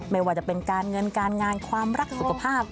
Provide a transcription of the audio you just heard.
ไม่ว่าจะเป็นการเงินการงานความรักสุขภาพ